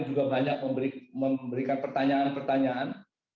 juga banyak memberikan pertanyaan pertanyaan